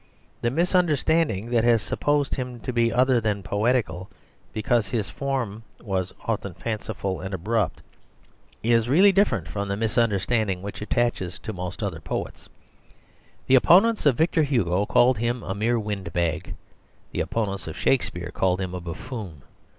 The misunderstanding that has supposed him to be other than poetical, because his form was often fanciful and abrupt, is really different from the misunderstanding which attaches to most other poets. The opponents of Victor Hugo called him a mere windbag; the opponents of Shakespeare called him a buffoon.